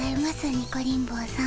ニコリン坊さん。